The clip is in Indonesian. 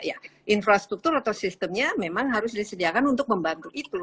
ya infrastruktur atau sistemnya memang harus disediakan untuk membantu itu